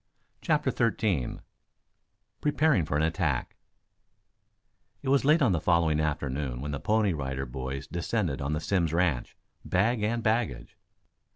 CHAPTER XIII PREPARING FOR AN ATTACK It was late on the following forenoon when the Pony Rider Boys descended on the Simms ranch, bag and baggage.